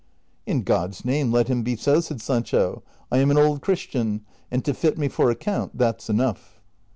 ^" In God's name let him be so,'' said Sancho ;" I am an old Christian, and to fit me for a count that 's enough."